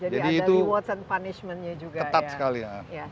jadi itu ketat sekali ya